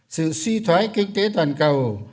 sự suy thoái kinh tế toàn cầu